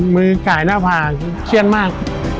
มือไก่หน้าผากเครียดมาก